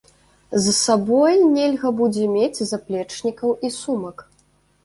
З сабой нельга будзе мець заплечнікаў і сумак.